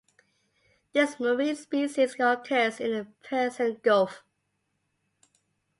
This marine species occurs in the Persian Gulf.